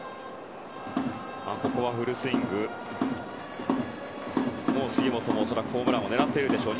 ここはフルスイング杉本もホームラン狙っているでしょう。